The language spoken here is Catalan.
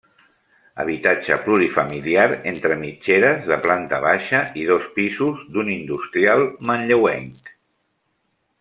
Habitatge plurifamiliar entre mitgeres de planta baixa i dos pisos d'un industrial manlleuenc.